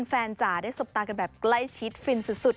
แฟนจะได้ซุปตากันแบบใกล้ชิดฟินสุด